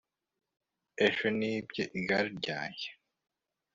ejo nibye igare ryanjye